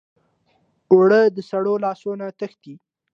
اوړه د سړو لاسو نه تښتي